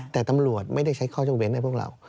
แต่ตำรวจไม่ได้ใช้ข้อยกเว้นให้พวกเรา